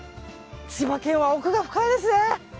千葉県は奥が深いですね。